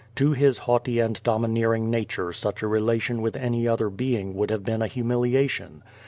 To his haughty and domineering na ture such a relation with any other being would have been a humiliation.